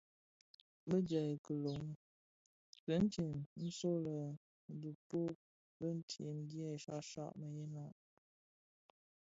Bi djèm kilōň itsem nso lè dhipud ditsem dyè shyashyak mëyeňa.